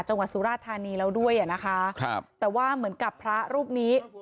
สุราธานีแล้วด้วยอ่ะนะคะครับแต่ว่าเหมือนกับพระรูปนี้